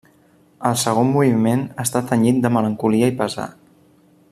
El segon moviment està tenyit de melancolia i pesar.